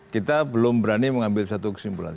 kita belum berani mengambil satu kesimpulan